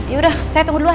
yaudah saya tunggu di luar